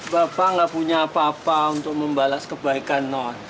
bapak nggak punya apa apa untuk membalas kebaikan